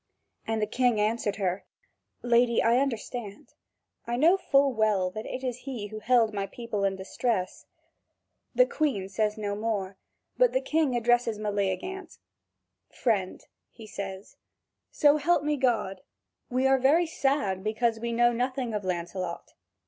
And the King answered her: "Lady, I understand; I know full well that it is he who held my people in distress." The Queen says no more, but the King addresses Meleagant: "Friend," he says, "so help me God, we are very sad because we know nothing of Lancelot."